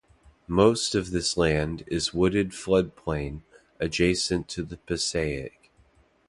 Most of this land is wooded floodplain adjacent to the Passaic.